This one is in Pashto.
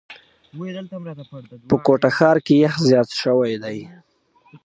په کوټه ښار کي یخ زیات شوی دی.